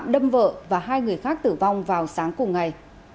đâm vợ và hai người khác tử vong vào sáng cùng ngày